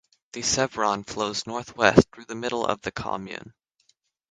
The Sevron flows northwest through the middle of the commune.